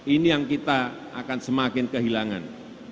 ini yang kita akan semakin kehilangan